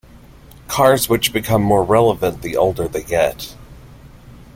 Cars which become more relevant the older they get.